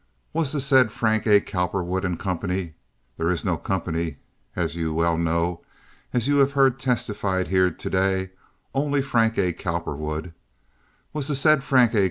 Was the said Frank A. Cowperwood & Company—there is no company, as you well know, as you have heard testified here to day, only Frank A. Cowperwood—was the said Frank A.